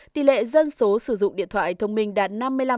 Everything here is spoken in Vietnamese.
tỷ lệ dân số sử dụng điện thoại thông minh đạt năm mươi năm